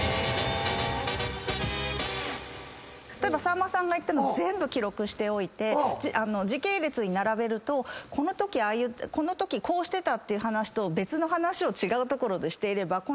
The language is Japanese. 例えばさんまさんが言ったの全部記録しておいて時系列に並べるとこのときこうしてたっていう話と別の話を違う所でしていればこの事実はウソになるので。